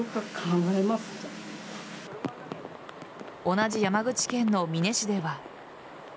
同じ山口県の美祢市では。